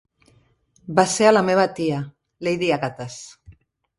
Va ser a la meva tia, Lady Agatha's.